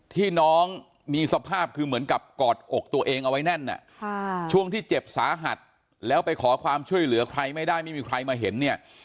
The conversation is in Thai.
ที่น้องมีสภาพคือเหมือนกับกอดอกตัวเองเอาไว้แน่นช่วงที่เจ็บสาหัสแล้วไปขอความช่วยเหลือใครไม่ได้ไม่มีใครมาเห็นเนี่ย